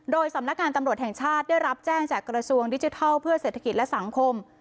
โดยสำนักงานตำรวจแห่งชาติได้รับแจ้งจากกระทรวงดิจิทัลเพื่อเศรษฐกิจและสังคม